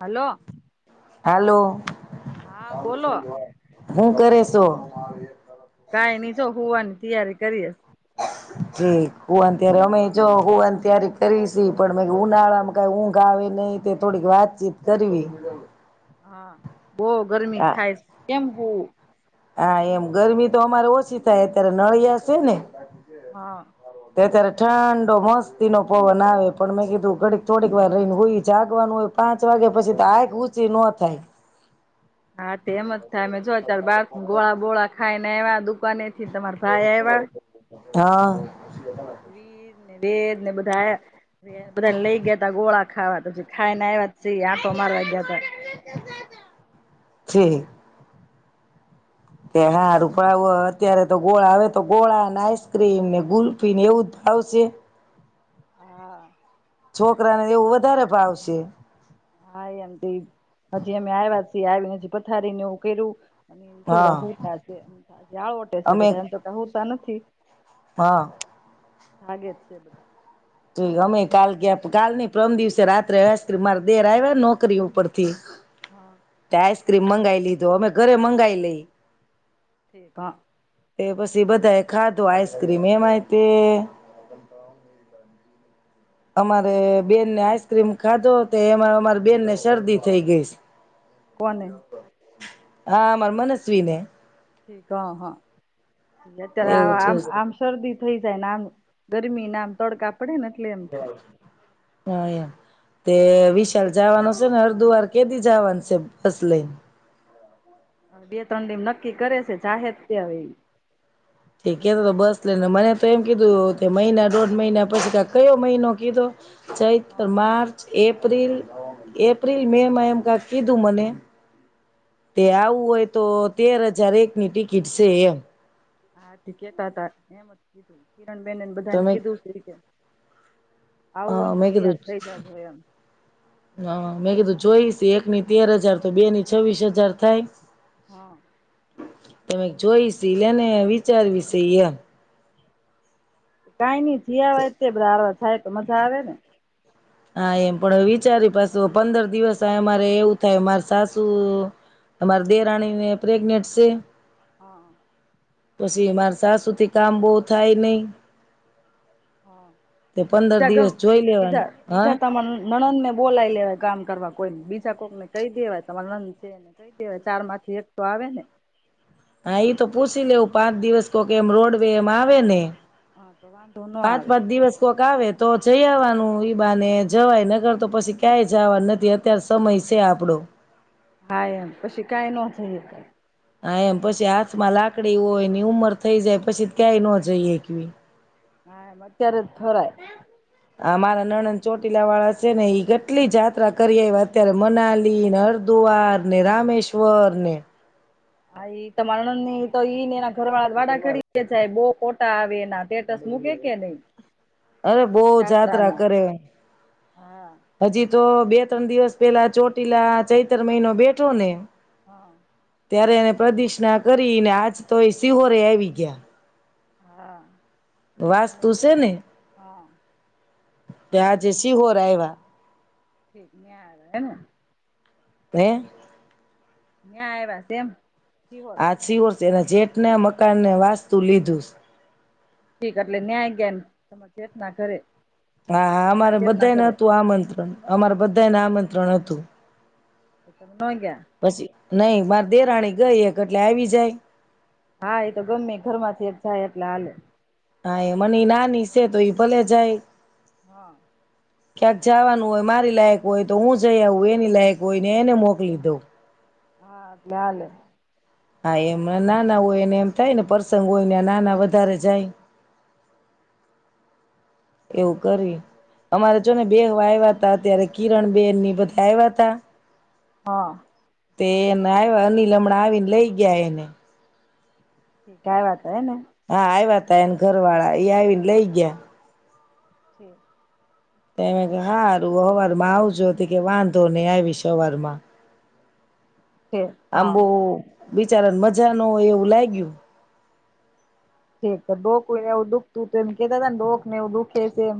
Hello. Hello. હા બોલો. હું કરે શો? કઈ નઈ જો હોવાની તૈયારી કરીએ. હુન ત્ય્યારે અમે જો હુવાન ત્યારી કરીશી પણ મે ઉનાળામાં કઈ ઊંઘ આવે નહ તે થોડીક વાતચીત કરવી. હા બહુ ગરમી હા થાય કેમ હુવુ હા એમ ગરમી તો અમારે ઓછી થાય અત્યારે નળિયા છે ને હા. અત્યારે ઠંડો મસ્તી નો પવન આવે પણ મેં કીધું ઘડીક થોડીક વાર રહીને હોય જાગવાનું હોય પાંચ વાગે પછી તો આક ઊંચી નો થાય. હા તેમ જ થાય અમે જો ચાર બાર ગોળા બોળા ખાયને એવા દુકાને થીને તમારા ભાઈ આવ્યા હા. [inaudible] બેદ ને બધાયા બધાને લઈ ગયા ત ગોળા ખાવા તો ખાઈ ને આવ્યા છે આ તો મારવા જયાતા છે. કે હા રૂપ અત્યારે તો ગોળા આવે તો ગોળાને આઈસક્રીમ ને ગુલ્ફીન એવું જ આવશે. હા. છોકરા ને એવું વધારે ભાવશે. હા એમ હજી અમે આવ્યા છી આવીને હજી પથારી ને એવું કયરુ અને શ બધા હા હોતામળોટે છે અમે બધા એમ તો હોતા નથી. હા. હેત છેે અમે કાલ ક કાલ ની પ્રમ દિવસે રાત્રે હશ્રી મારે દેર આવ્યા નોકરી ઉપર થી હા. ક્રીમ મંગાવી લીધો અમે ઘરે મંગાવી લઈ. ઠીક. એ પછી બધા એ ખાધો આઈસ્ક્રીમ એમાંય તે અમારે બેનને આઈસ્ક્રીમ ખાધો તે એમાં અમારી બેન ને શરદી થઈ ગઈશ. કોને [inaudible] હા મરમનશવીને. ઠીક હા હા. ત્યારે એવું છે આમ આમસરદી થઈ જાયને આમ ગરમી નામ તડકા પડેને એટલે એમ થાય. હા તે વિશાલ જવાનો છે ને અર્ધુવાર કેદી જવાનું છે બસ લઈને- હ બે ત્રણ દિમ નક્કી કરે છે ચાહે જ ત્યા એ. તે કેતો તો બસ લેને મને તો એમ કીધું મહિના દોઢ મહિના પછી કયો મહિનો કીધો ચૈત્ર હા માર્ચ એપ્રિલ એપ્રિલ મે માં એમ કક કીધું મને તે આવું હોય તો તેર હજાર એકની ટિકિટ છે એમ હા િકતા હતા એમ જ કીધું કિરણ બ બેનન બધાનકી દૂસરી જ હા મેં કીધું થઈ જજો એમ હા મેં કીધું જોઈશ એકની તેર હજાર તો બે ની છવ્વીસ હજાર થાય હા તમે જોઈશ એલેને વિચારવી છે એમ કઈ નહી જયાવાય તે બધા આવા થાય તો મજા આવે ને હા એમ પણ વિચારી પાછ પંદર દિવસ આ અમારે એવું થાય માર સાસુ અમાર દેરાણીને પ્રેગ્નેન્ટ છે હા પછી માર સાસુથી કામ બહ થાય નહી હા તે પંદર બીધા દિવસ જોઈ બીધા લેવાનું હા બીજા તમા નણંદ બોલાય લેવા છે કામ કરવા કોઈ બીજા કોક ને કહી દેવાય તમારા નંદ છે એને કહી દેવાય ચાર માંથી એક તો આવે ને હા એ તો પૂછી લેવું પાંચ દિવસ ક કે એમ રોડવેે એમ આવે ને હા તો વાંધો ન પાંચ આવે પાંચ દિવસ કોક આવે તો જઈવા ઈબા ને જવાય નગર તો પછી ક્યાંય જવા નથી અત્યારે સમય છે આપડો હાાય એમ પછી કઈ નહો થ હા એમ પછી હાથમાં લાકડી હોય ની ઉંમર થઈ જાય પછી ક્યાંય ન જઈએ કેવી હા મત્યારે થોરા આ મારા નણન ચોટીલા વાળા છે ને ઈ ગ કેટલી જાયાત્રા કરી એ વાત અત્યારે મનાલી ને હરિદ્વાર ને રામેશ્વર ને હા એ તમારા નની તો ઈને એના ઘરવાળા વાડા ખરીે છે બહ કોટા આવે એના ટસ મૂકે કે નહી અરે બહ જાત્રા છાત્રાના કરે હા હજી તો બે ત્રણ દિવસ પેલા ચોટીલા ચૈતર મહિનો બેઠો ને હા ત્યારે એને પ્રદષ્ણા કરીને આજ તો એ સિહોરે આવી ગયા હા વાસ એને તું છે કેવું નને હા ત્યાં જૈસી હો ર હ વા ઠીક ન ાર હ હ મે આયા વાસે એમ શિહોર આછી વ તેના જેટ ને મકાનને વાસ્તુ લીધું. ઠીક એટલે ન્યાય જ્ઞાન તમારે ચેતના કરે. હા અમારે બધાને હતું આમંત્રણ અમારે બધાને આમંત્રણ હતું. [inaudible] બંગ. નઈ બર દેરાણી ગઈ એક એટલે આવી જાય. હા એ તો ગમે ઘરમાંથી એક જાય એટલે હાલે. હા એ મને નાની છે તો ઈ ભલે જાય. હા. ક્યાંક જવાનું હોય મારી લાયક હોય તો હું જઈ આવું એની લાયક હોય ને એને મોકલી દઉં. હા જ્ઞાલ. હા એમ નાના હોયને એમ થાય ને પ્રસંગ હોય ને નાના વધારે જાય. એવું કરી અમારે છો ને બે આવ્યા ત અ્યારે કિરણ બેન ની બધા આવ્યા હતા. હા. તેને આવ અનીલ હમણાં આવીને લઈ ગયા એને. [unintelligible] વાત હ ને. હા આવ્યા તા એને ઘર વાળા એ આવીને લઈ ગયા. ઠી. એમે કે હારું અવારમાં આવજો હતી કે વાંધો નહી આવીશ અવારમાં. ઠીક હા અંબુ. બિચારા મજા ન હોય એવું લાગય્યું. ઠીક તો ડોક એવું દુખતું હત એમ કેતા હતા ને ડોકને એવું દુખે છે એમ.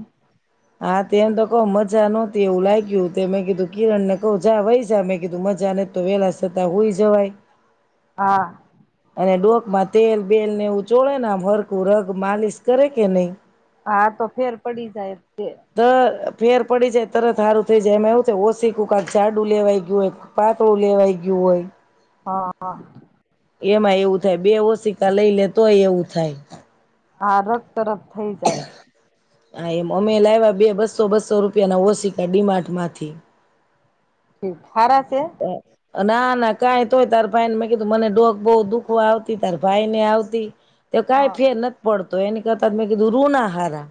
હા તેમ તો કહું મજા નહોતી. એવું લાગ્યું મેં કીધું કિરણ ને કહ જા વૈ જા મેં કીધું મજા નહ તો વેલા સતાં હોય જવાય. હા. અને ડોકમાં તેલ બેલ ને એવું ચોળે ના ફરકું રગ માલિશ કરે કે નહી. હા તો ફેર પડી જાય. તે [inaudible] ફેર પડી જાય, તરત સારું થઇ જાય, એમાં એવું થ ઓછી કું કક જાડું લેવાઈ ગયું હોય પાતળું લેવાઈ ગયું હોય. હા હા. એમાં એવું થાય બે ઓશિકા લઈ લે તોય એવું થાય. હા રખ. તરફ થઈ જાય. હા એમ અમે લાવ્યા બે બસો બસો રૂપિયા ના ઓશિકા ડીમાર્ટ માંથી. ઠીક. [inaudible] છે. ના ના કઈ તો હોય તાર ભાઈને મેં કીધું મને ડોક બહ દુખવા આવતી તાર ભાઈ ને આવતી. તો કઈ હા ફેર ન પડત. તો એને કતા મે કધું રૂ ના હારા.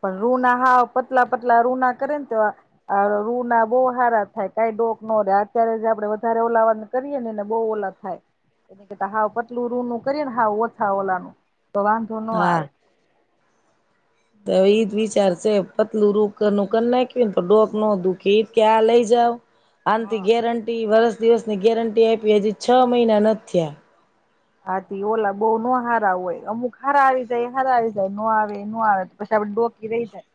પણ રૂ ના હાવ પતલા પતલા રૂ ના કરે ને તો રૂ ના બહુ હારા થાય કઈ ડોક ન રે અત્યારે આપડે વધારે ઓલાવા કરીએ નેને બહુ ઓલા થાય એને કતા હાવ પતલું રૂનું કરીએ ને હાવ ઓછા ઓલા નનું. તો વાનંધો ના હા આવે. તો એજ વિચાર છે, પતલુ રુખ નક ના કે ડોક ન દુખી કે આ લઇ જા. આનથી હા ગેરંટી વરસ દિવસની ગેરંટી આપી હજી છ મહિના નથ થીયા. હાથી ઓલા બહુ ન હારા હોય અમુક હારા આવી જાય હારા આવી જાય ન આવે ન આવે પછી આપ ડોકી રહી જાય.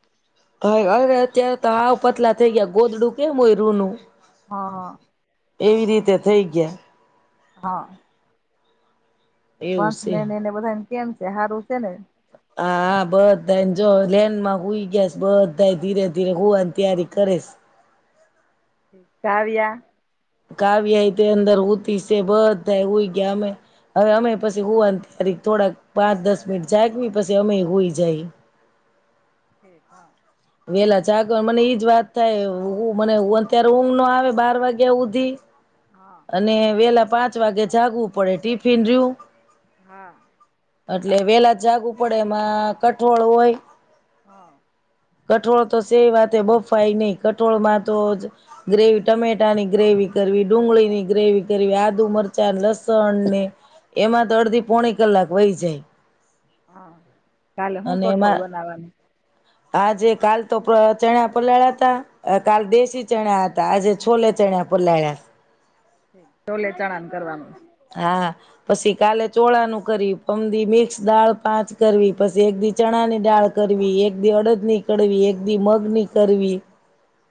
હ [unintelligible] અત્યાર ત હાવ પતલા થઈ ગ્યા ગોદડું કેમ હોય રૂનું. હા હા. એવી રીતે થઈ ગ્યા. હા. એવું [unintelligible] છે. સને ને બધાયન કેમ છે હારું છે ને. હા હા બધાને જો લેનમાં હુઈ ગ્યાસ બધા ધીરે ધીરે હોવાની તૈયારી કરીશ. કાવ્યા કાવ્યાય તે અંદર હુતી છે બધાય હુઈ ગ્યા અમે હવે અમે પછી હુવાની તિઆરી થોડાક પાંચ દસ મિનિટ જાગવી પછી અમે હુઈ જઈ. એ હા. વેલા જાગવા મને ઈજ વાત થાય હું મને હુવા ન થાય ત્યારે ઊંઘ ના આવે બાર વાગ્યા હુધી હા હા અને વેલા પાંચ વાગે જાગવું પડે ટિફિન રયુ હા. એટલે વેલા જાગવુ પડે એમાં કઠોળ હોય હા. કઠોળ તો સે વાતે બફાઈ નહી કઠોળમાં તો જ ગ્રેવી ટમેટાની ગ્રેવી કરવી ડુંગળી ની ગ્રેવી કરવી આદુ મરચાં લસણને એમાં તો અડધી પોણી કલાક વહી જાય. હા. કાલે હુ અને કઠોળ એમાં બનાવાનું? આજે કાલ તો ચણા પલાળીયા તા અ કાલ હા દેશી ચણા ત આજે છોલે ચણ્યા પલાળ્યાસ. ટોલે ચણા કરવાનું. હા પછી કાલે ચોળાનું કરી પમ દી મિક્સ દાળ પાંચ કરવી પછી એક દી ચણાની દાળ કરવી એક દી અડદની કડવી એક દી મગની કડવી.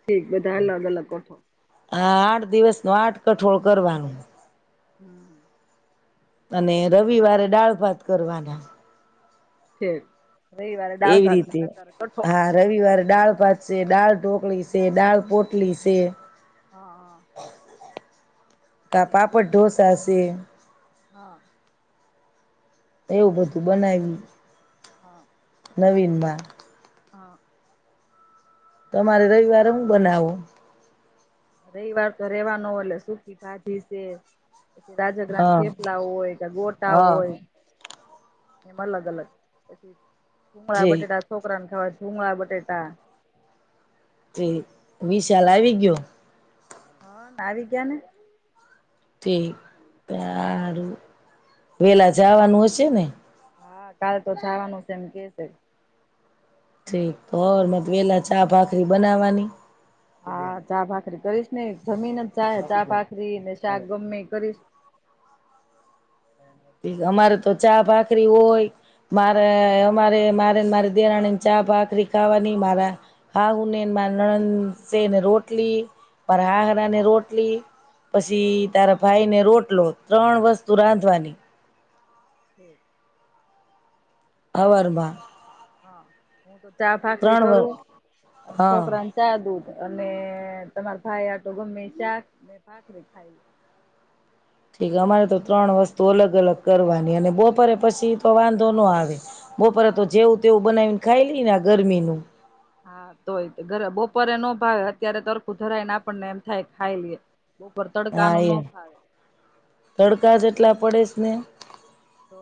ઠીક બધા અલગ અલગ કોઠો. હા આઠ દિવસ નું આઠ કઠોળ કરવાનું. હું અને રવિવારે દાળ ભાત કરવાના. ઠીક. રવિવારે દાળ એવી ભાત ને રીતે અત્યારે કઠોળ હા રવિવાર દાળ ભાત છે, દાળ ઢોકળી છે, દાળ પોટલી છે. હ હ. કા પાપડ ઢોસા સે. હા એવું ઠીક બધું બનાયવુ હા નવીન માં. [inaudible] હા. તમારે રવિવારે હું બનાવું રવિવાર તો રેવાનો ઓલે સુકી ભાજી છે રાજાગ્રાન હા થેપલા હોય કે ગોટા હા હોય હ મલા જાલ પછી કુગળા ઠીક બટેાટા છોકરા ને ખવા ભૂમળા બટેાટા તે વિશાલ આવી ગયો હા નાાવ ગ્ઞને બ ન ઠીક તારું વેલા જવાનું હશે ને હા કાાલ તો જાવાનું છે એમ કેશે ઠીક તોર મ પેલા ચા ભાખરી બનાવાની હા ચા ભાખરી કરીશ ને જમીન જ ચા ચા ભાખરી ને શાક ગમ કરીશ અમારે તો ચા ભાખ રીનું હોય મારે હા અમારે મારે ને મારે દેરાણીને ચા ભાખરી ખાવાની મારા હાહુને મારા નણંદ ને રોટલી મારા હા હાહરા ને રોટલી પછી હા તારા ભાઈને રોટ લી ત્રણ વસ્તુ રાંધવાની હમ્મ. હવારમા હા હું તો ચા ભાખરી કરું, હા છોકરાને ચા દૂધ અને તમારા ભાઈ આ તો ગમે શાકને ભખરી ખાઈ ઠીક અમારે તો ત્રણ વસ્તુ અલગ અલગ કરવા ની અને બપોરે પછી તો વાંધો ન આવે બપોરે તો હા જેવું તેવું બનાવી ને ખાઈ લઈએ ના ગરમીનું હા તોય ઘરે બપોરે નો ભાવે અત્યારે ત હરખું ધરાય ને આપણને એમ થાય ખાઈ લઈએ બપોરે હા તડકાનું ન ફાવે લા પડેશ ને તો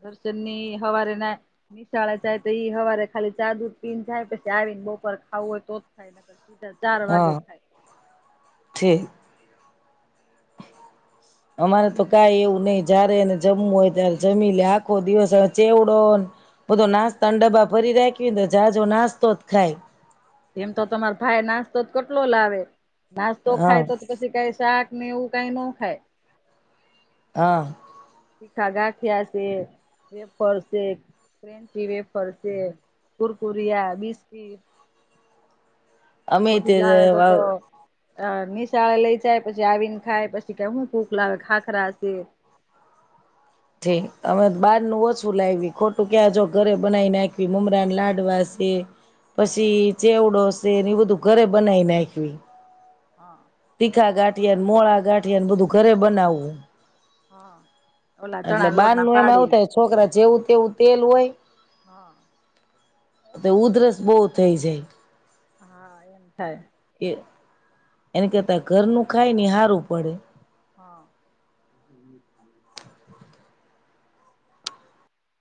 દર્શન ની હવારે ના નિશાળે જાય તો ઈ હવારે ખાલી ચા દૂધ પીન જાય, પછી આવીને બપોરે ખાવું હોય તો જ ખાય નહીંતર સીધા ચાર હા વાગે ખાય. ઠીક અમારે તો કાઈ એવું નહીં. જારે ને જમવુ હોય ત્યારે જમી લે, આખો દિવસ આ ચેવડોન બધો નાસ્તાન ડબ્બા ભરી રાખ ખીન જાજો નાસ્તો જ ખાય. એમતો તમાર ભાઈ નાસ્તો તો કેટલો લાવે નાસ્તો ખાય હા તો તો પછી કાઈ શાક ને એવું કાઈ નો ખાય. હા. તીખા ગાંઠિયા સે, વેફર સે, ક્રેન્ચી વેફર સે, કુરકુરિયા, બિસ્કિટ અમેય તે [unintelligible] અહ નિશાળે લઈ જાય, પછી આવીન ખાય, પછી કે હું ભૂખ લાગે. ખાખરા સે. ઠીક. અમે બહાર નું ઓછું લાયવી, ખોટું ક્યાં, જો ઘરે બનાવી નાયખી મમરાને લાડવા સે હા પછી ચેવડો સ સે ને એ બધું ઘરે બનાઈ નાયખવી. હા તીખા ગાંઠ ઠિયાન મોળા ગાંઠિયાને બધું ઘરે બનાવવું હું. હા. ઓલા એટલે ચણા લોટ ના બારનુ એમાં આવું પાડીને થાય છોકરા જેવું તેવું તેલ હોય હા. એટલે ઉધરસ બહુ થઈ જાય. હા, એમ થાય. એને કેતા ઘરનું ખાયને હારું પડે. હા.